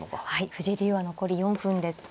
藤井竜王残り４分です。